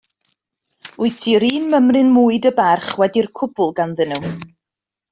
Wyt ti 'run mymryn mwy dy barch wedi'r cwbwl ganddyn nhw.